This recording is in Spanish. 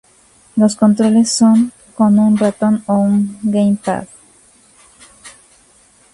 Los controles son con un ratón o un gamepad.